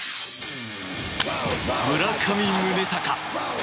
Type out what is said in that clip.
村上宗隆